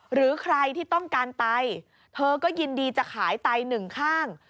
หรือใครที่ต้องการไตเธอก็ยินดีจะขายไตหนึ่งข้าง